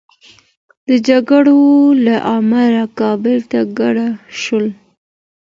د جګړو له امله کابل ته کډه شول.